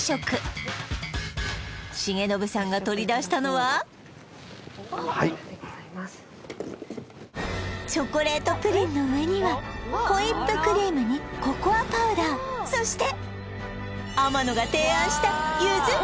はいチョコレートプリンの上にはホイップクリームにココアパウダーそして！